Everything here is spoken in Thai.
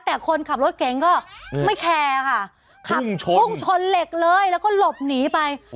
แต่คนขับรถเก๋งก็ไม่แคร์ค่ะขับชนพุ่งชนเหล็กเลยแล้วก็หลบหนีไป